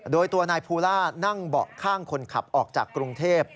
โดยตัวนายภูล่านั่งเบาะข้างคนขับออกจากกรุงเทพ